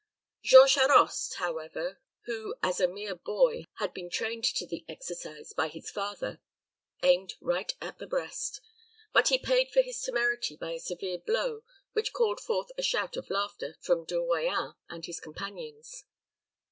Jean Charost, however, who, as a mere boy, had been trained to the exercise by his father, aimed right at the breast; but he paid for his temerity by a severe blow, which called forth a shout of laughter from De Royans and his companions.